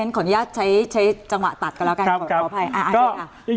เห็นขนยะใช้จังหวะตัดกันแล้วกันขออภัย